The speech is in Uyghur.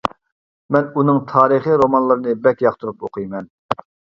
مەن ئۇنىڭ تارىخى رومانلىرىنى بەك ياقتۇرۇپ ئوقۇيمەن.